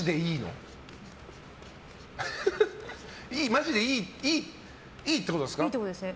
マジでいいってことですか。